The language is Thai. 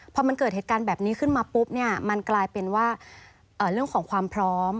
พอมันเกิดเหตุการณ์แบบนี้ขึ้นมาปุ๊บเนี่ยมันกลายเป็นว่าเรื่องของความพร้อม